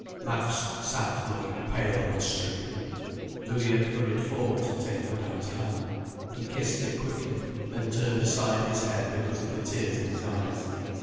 Max sat looking pale and stricken, Louis had hurried forward to take Madame's hand. He kissed it quickly, then turned aside his head because of the tears in his eyes.